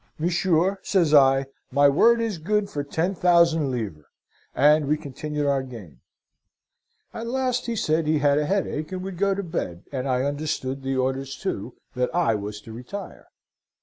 "'Monsieur,' says I, 'my word is good for ten thousand livres;' and we continued our game. "At last he said he had a headache, and would go to bed, and I understood the orders too, that I was to retire.